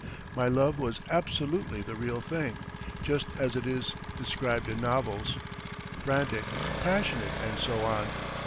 My love was absolutely the real thing, just as it is described in novels frantic, passionate, and so on.